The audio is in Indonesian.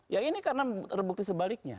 ya ini karena terbukti sebaliknya